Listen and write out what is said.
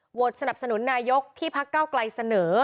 สนับสนุนนายกที่พักเก้าไกลเสนอ